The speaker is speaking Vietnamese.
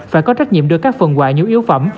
phải có trách nhiệm đưa các phần quà nhu yếu phẩm